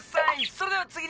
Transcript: それでは次に。